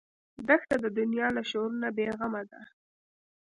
دښته د دنیا له شور نه بېغمه ده.